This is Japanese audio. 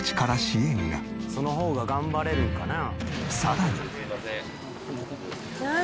「その方が頑張れるんかな」